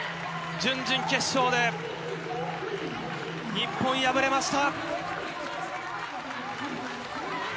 準々決勝で、日本敗れました。